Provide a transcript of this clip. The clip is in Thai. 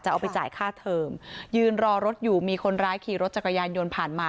เอาไปจ่ายค่าเทอมยืนรอรถอยู่มีคนร้ายขี่รถจักรยานยนต์ผ่านมา